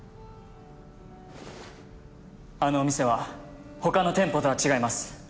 あのお店はほかの店舗とは違います。